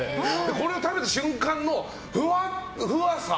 これを食べた瞬間のふわふわさ。